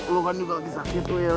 lo kan juga lagi sakit weel